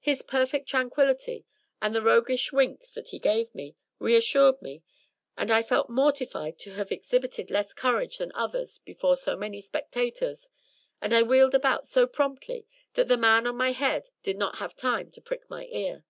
His perfect tranquility, and the roguish wink 158 THE TREASURE CHEST that he gave me, reassured me, and I felt mortified to have ex hibited less courage than others before so many spectators, and I wheeled about so promptly that the man on my head did not have time to prick my ear.